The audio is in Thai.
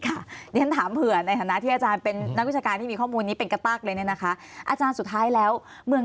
เข้าคูมอย่างเข้มข้นพอสมควรถ้าย้อนกลับไปจุดเดิม